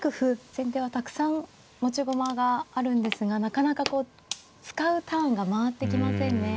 先手はたくさん持ち駒があるんですがなかなか使うターンが回ってきませんね。ですね。